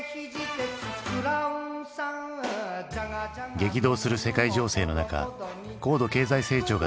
激動する世界情勢の中高度経済成長が続く日本。